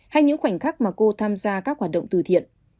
hay những khoảnh khắc mà cô tham gia các hoạt động từ thiện